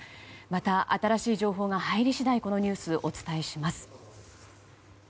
また、新しい情報が入り次第このニュース、お伝えします。